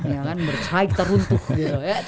ya kan bercai kita runtuh gitu